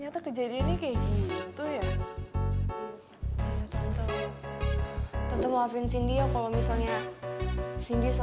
terima kasih b